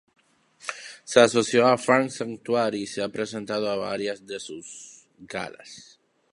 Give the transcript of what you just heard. Se asoció con Farm Sanctuary y se ha presentado a varias de sus galas.